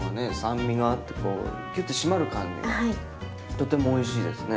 とてもおいしいですね。